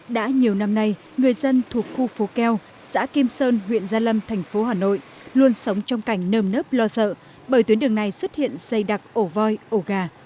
đã nhiều năm nay người dân thuộc khu phố keo xã kim sơn huyện gia lâm thành phố hà nội luôn sống trong cảnh nơm nớp lo sợ bởi tuyến đường này xuất hiện xây đặc ổ voi ổ gà